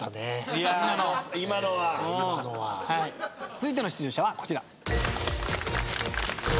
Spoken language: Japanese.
続いての出場者はこちら。